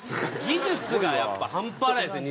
技術がやっぱ半端ないですね